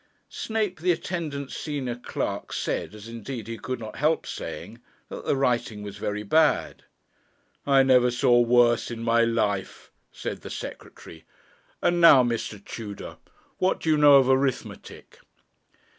Snape, the attendant senior clerk, said, as indeed he could not help saying, that the writing was very bad. 'I never saw worse in my life,' said the Secretary. 'And now, Mr. Tudor, what do you know of arithmetic?'